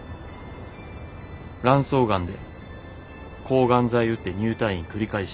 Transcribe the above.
卵巣がんで抗がん剤うって入退院繰り返してる。